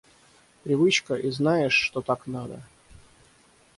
Привычка, и знаешь, что так надо.